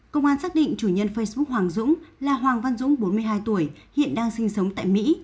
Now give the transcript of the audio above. công an xác định chủ nhân facebook hoàng dũng là hoàng văn dũng bốn mươi hai tuổi hiện đang sinh sống tại mỹ